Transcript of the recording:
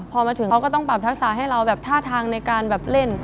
พอมาถึงเขาก็ต้องปรับทักษะให้เราแบบท่าทางในการแบบเล่น